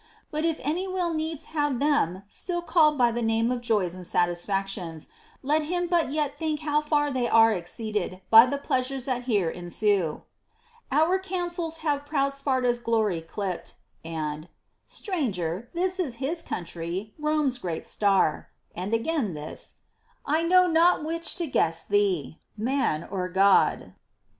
But if anv will needs have them still called by the name of joys and satisfactions, let him but yet think how far they are exceeded by the pleasures that here ensue : Our counsels have proud Sparta's glory dipt ; and Stranger, this is his country Rome's great star; and again this, I know not which to guess thee, man or God.